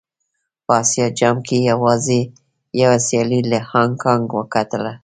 په اسيا جام کې يې يوازې يوه سيالي له هانګ کانګ وګټله.